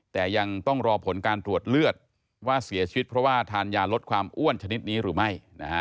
แต่ยังต้องรอผลการตรวจเลือดว่าเสียชีวิตเพราะว่าทานยาลดความอ้วนชนิดนี้หรือไม่